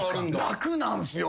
楽なんすよこれ。